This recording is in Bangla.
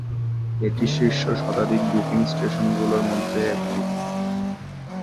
এটি শীর্ষ শতাধিক বুকিং স্টেশনগুলির মধ্যে একটি।